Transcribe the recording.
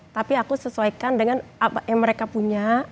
tapi aku sesuaikan dengan apa yang mereka punya